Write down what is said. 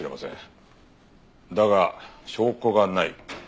だが証拠がない。